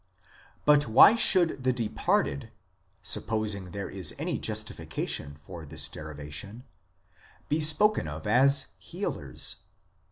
But why should the departed (supposing there is any justifica tion for this derivation) be spoken of as " healers